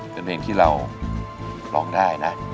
เป็นเพลงที่เราร้องได้นะ